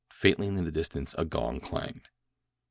Faintly in the distance a gong clanged.